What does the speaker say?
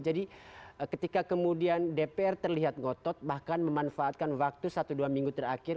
jadi ketika kemudian dpr terlihat ngotot bahkan memanfaatkan waktu satu dua minggu terakhir